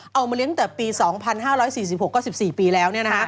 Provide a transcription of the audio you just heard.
เอามาเลี้ยงตั้งแต่ปี๒๕๔๖ก็๑๔ปีแล้ว